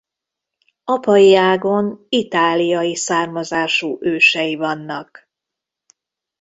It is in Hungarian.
Apai ágon itáliai származású ősei vannak.